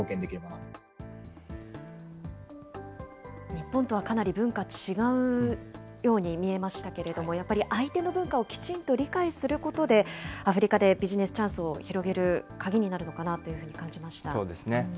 日本とはかなり文化違うように見えましたけれども、やっぱり相手の文化をきちんと理解することで、アフリカでビジネスチャンスを広げる鍵になるのかなというふうにそうですね。